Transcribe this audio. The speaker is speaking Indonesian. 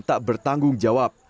tak bertanggung jawab